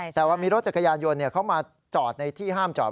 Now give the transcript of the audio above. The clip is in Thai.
แต่ว่ามีรถจักรยานยนต์เขามาจอดในที่ห้ามจอด